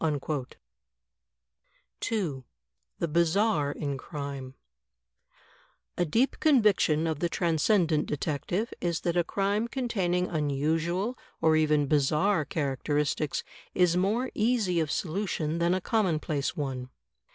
2, The Bizarre in Crime A deep conviction of the Transcendent Detective is that a crime containing unusual or even bizarre characteristics is more easy of solution than a commonplace one.